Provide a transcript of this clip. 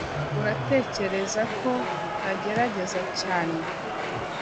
Uratekereza ko ntagerageza cyane